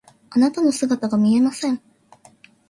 あなたの姿が見えません。